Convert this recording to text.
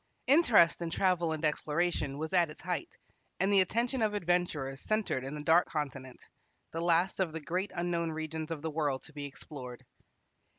Interest in travel and exploration was at its height, and the attention of adventurers centered in the Dark Continent, the last of the great unknown regions of the world to be explored.